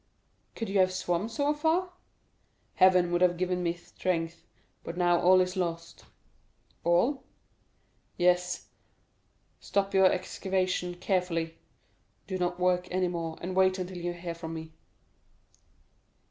"Could you have swum so far?" "Heaven would have given me strength; but now all is lost." "All?" "Yes; stop up your excavation carefully, do not work any more, and wait until you hear from me."